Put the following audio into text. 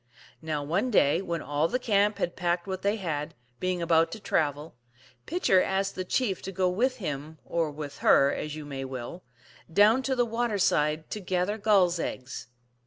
Now, one day when all the camp had packed what they .had, being about to travel, Pitcher asked the chief to go with him, or with her, as you may will, down to the water side to gather gulls eggs.